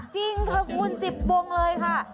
จริงค่ะคุณ๑๐วงเลยค่ะ